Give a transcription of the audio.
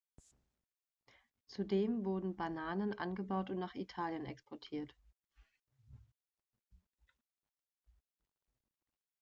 Zudem wurden Bananen angebaut und nach Italien exportiert.